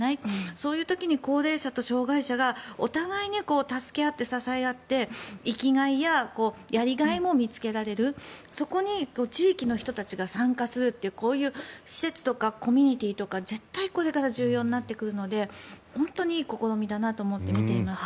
そういう時に高齢者と障害者がお互いに助け合って支え合って生きがいや、やりがいも見つけられるそこに地域の人たちが参加するというこういう施設とかコミュニティーとか、絶対これから重要になってくるので本当にいい試みだなと思って見ていました。